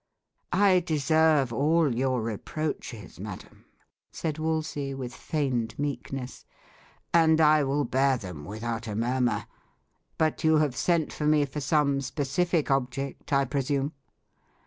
"I deserve all your reproaches, madam," said Wolsey, with feigned meekness; "and I will bear them without a murmur. But you have sent for me for some specific object, I presume?"